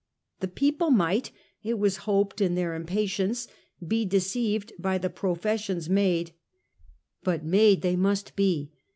The people might, it was hoped, in their im patience be deceived by the professions made ; but ^ made they must be.